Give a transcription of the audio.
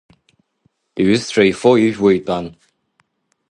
Иҩызцәа ифо, ижәуа итәан.